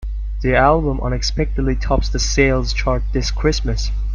The album unexpectedly tops the sales chart this Christmas.